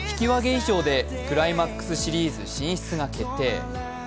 以上でクライマックスシリーズ進出が決定。